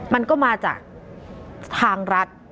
มันก็มาจากทางรัฐ